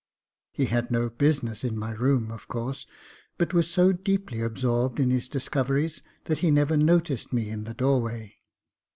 He had no business in my room, of course; but was so deeply absorbed in his discoveries that he never noticed me in the doorway.